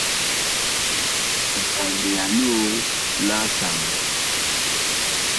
Ngand ya loo laasa mɓɛɛŋ.